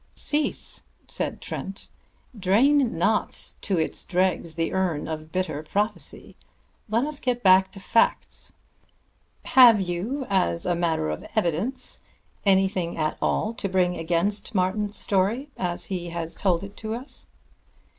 "Cease!" said Trent. "Drain not to its dregs the urn of bitter prophecy. Let us get back to facts. Have you, as a matter of evidence, anything at all to bring against Martin's story as he has told it to us?"